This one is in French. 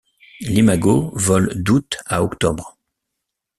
L'imago vole d'août à octobre.